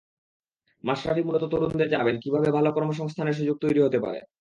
মাশরাফি মূলত তরুণদের জানাবেন, কীভাবে ভালো কর্মসংস্থানের সুযোগ তৈরি হতে পারে।